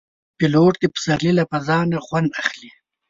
پیلوټ د پسرلي له فضا نه خوند اخلي.